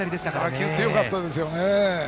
打球が強かったですね。